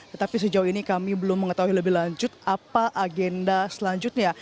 tetapi sejauh ini kami belum mengetahui lebih lanjut apa agenda selanjutnya